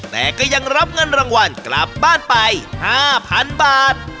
แต่ก็ยังรับเงินรางวัลกลับบ้านไป๕๐๐๐บาท